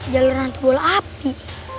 jalur hantu bola api